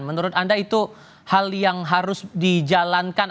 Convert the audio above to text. menurut anda itu hal yang harus dijalankan